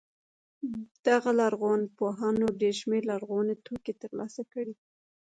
دغو لرغونپوهانو ډېر شمېر لرغوني توکي تر لاسه کړي.